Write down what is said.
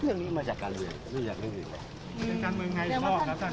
เรื่องนี้มาจากการเมืองไม่อยากเรียกอีก